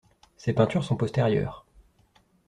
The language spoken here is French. Ces peintures sont postérieures.